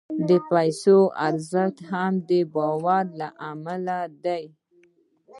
د پیسو ارزښت هم د باور له امله دی.